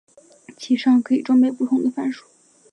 其上可以装备不同的范数。